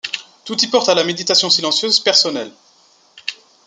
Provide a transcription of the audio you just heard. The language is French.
Tout y porte à la méditation silencieuse personnelle.